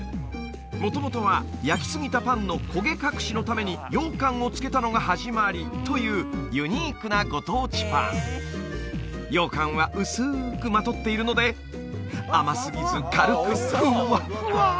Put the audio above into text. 元々は焼きすぎたパンの焦げ隠しのために羊羹をつけたのが始まりというユニークなご当地パン羊羹は薄くまとっているので甘すぎず軽くふわっふわ